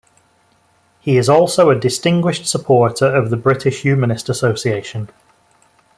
He is also a Distinguished Supporter of the British Humanist Association.